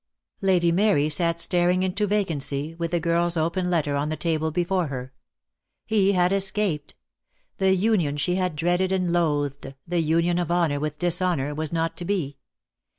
Lady Mary sat staring into vacancy, with the girl's open letter on the table before her. He had escaped. The union she had dreaded and loathed, the union of honour with dishonour, was not to be.